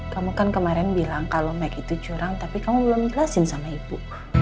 kamu kan kemarin bilang kalau make itu curang tapi kamu belum jelasin sama ibu